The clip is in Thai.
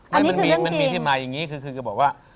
อันนี้คือเรื่องเกงมันมีที่มายังงี้คือเค้าบอกว่า